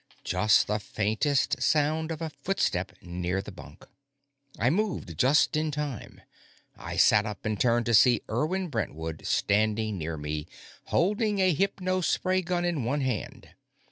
Just the faintest sound of a footstep near the bunk. I moved just in time. I sat up and turned to see Irwin Brentwood standing near me, holding a hypospray gun in one hand.